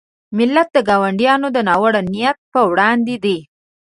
ملت د ګاونډیو د ناوړه نیت په وړاندې دی.